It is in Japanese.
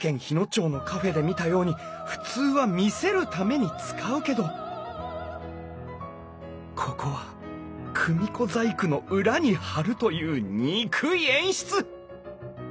町のカフェで見たように普通は見せるために使うけどここは組子細工の裏に張るという憎い演出！